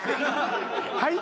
はい？